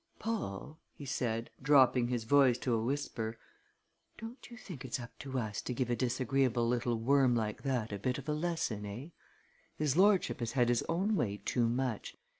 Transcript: "Paul," he said, dropping his voice to a whisper, "don't you think it's up to us to give a disagreeable little worm like that a bit of a lesson, eh? His lordship has his own way too much.